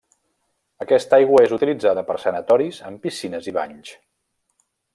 Aquesta aigua és utilitzada per sanatoris en piscines i banys.